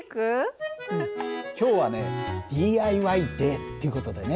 今日はねＤＩＹデーっていう事でね。